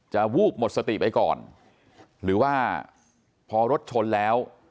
วูบหมดสติไปก่อนหรือว่าพอรถชนแล้ว